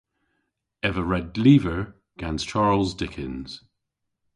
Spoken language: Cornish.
Ev a red lyver gans Charles Dickens.